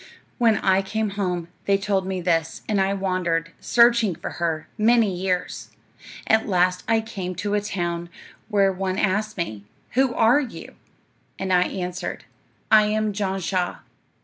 "'When I came home they told me this, and I wandered, searching for her, many years. At last I came to a town where one asked me, "Who are you?" and I answered, "I am Jan Shah."